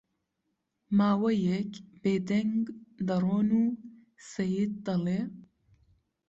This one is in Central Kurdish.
ماوەیەک بێ دەنگ دەڕۆن و سەید دەڵێ: